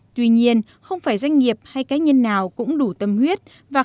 tuy nhiên không phải doanh nghiệp hay cá nhân nào cũng đủ tâm huyết